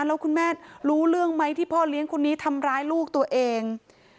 แล้วคุณแม่รู้เรื่องไหมที่พ่อเลี้ยงคนนี้ทำร้ายลูกตัวเอง